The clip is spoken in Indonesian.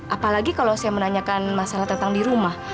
apalagi kalau saya menanyakan masalah tentang di rumah